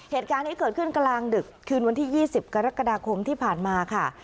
เหตุการณ์นี้เกิดขึ้นกลางดึกคืนวันที่๒๐กรกฎาคมที่ผ่านมาค่ะ